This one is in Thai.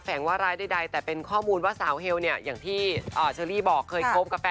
ควายเพราะว่ามีเขา